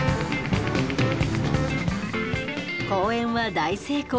公演は大成功。